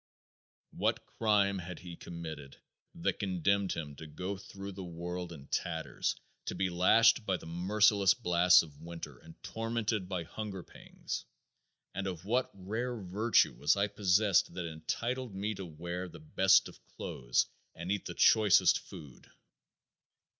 What crime had he committed that condemned him to go through the world in tatters to be lashed by the merciless blasts of winter and tormented by hunger pangs, and of what rare virtue was I possessed that entitled me to wear the best of clothes and eat the choicest food!